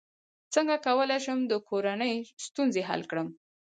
څنګه کولی شم د کورنۍ ستونزې حل کړم